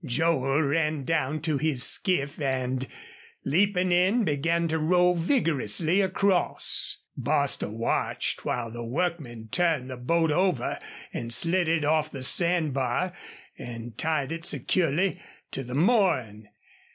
Joel ran down to his skiff and, leaping in, began to row vigorously across. Bostil watched while the workmen turned the boat over and slid it off the sand bar and tied it securely to the mooring.